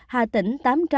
hà tĩnh tám trăm bảy mươi năm